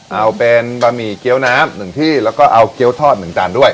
เอาเป็นบะหมี่เกี้ยวน้ำ๑ที่แล้วก็เอาเกี้ยวทอด๑จานด้วย